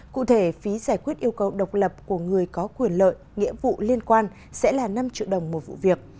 cụ thể phí giải quyết yêu cầu độc lập của người có quyền lợi nghĩa vụ liên quan sẽ là năm triệu đồng một vụ việc